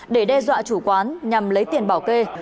để đe dọa chủ quán nhằm lấy tiền bảo kê